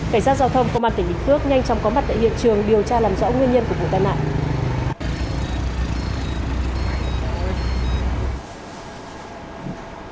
cảnh sát giao thông công an tỉnh bình phước nhanh chóng có mặt tại hiện trường điều tra làm rõ nguyên nhân của vụ tai nạn